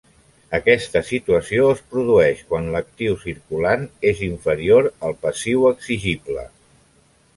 Aquesta situació es produeix quan l'actiu circulant és inferior al passiu exigible.